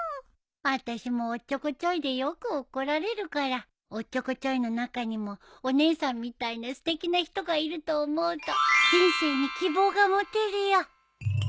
あたしもおっちょこちょいでよく怒られるからおっちょこちょいの中にもお姉さんみたいなすてきな人がいると思うと人生に希望が持てるよ。